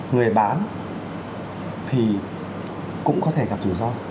người bán thì cũng có thể gặp rủi ro